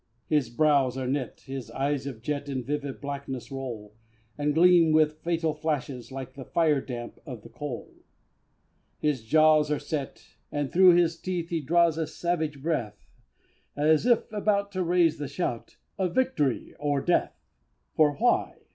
His brows are knit, his eyes of jet In vivid blackness roll, And gleam with fatal flashes Like the fire damp of the coal; His jaws are set, and through his teeth He draws a savage breath, As if about to raise the shout Of Victory or Death! For why?